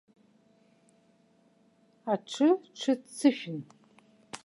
Аҽы ҽы ццышәын.